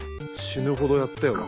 死ぬほどやったよね。